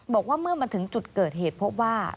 บอกว่าเมื่อมาถึงจุดเกิดเหตุพบว่า